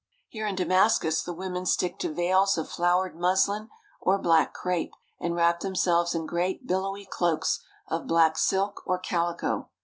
Here in Damascus the women stick to veils of flowered muslin or black crepe and wrap themselves in great bil lowy cloaks of black silk or calico.